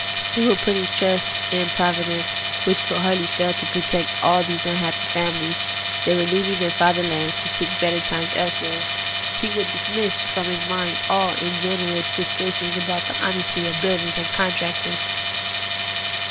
He would put his trust in Providence, which could hardly fail to protect all these unhappy famihes that were leaving their fatherland to seek for better times elsewhere. He would dismiss from his mind all ungenerous suspicions about the honesty of builders and contractors.